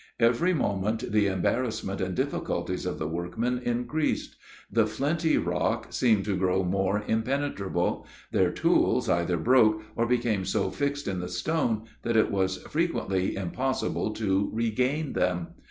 Every moment the embarrassment and difficulties of the workmen increased. The flinty rock seemed to grow more impenetrable; their tools either broke, or became so fixed in the stone, that it was frequently impossible to regain them.